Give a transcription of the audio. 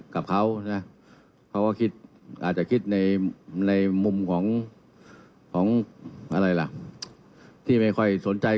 กับเขานะเขาก็คิดอาจจะคิดในมุมของอะไรล่ะที่ไม่ค่อยสนใจ